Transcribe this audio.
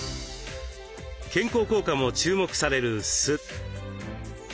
健康効果も注目される酢。